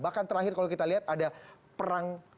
bahkan terakhir kalau kita lihat ada perang